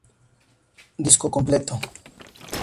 Disco completo.